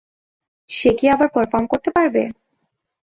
সে কি আবার পারফর্ম করতে পারবে?